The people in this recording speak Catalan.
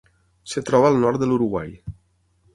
Es troba al nord de l'Uruguai.